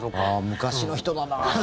昔の人だなあ。